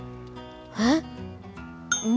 えっ？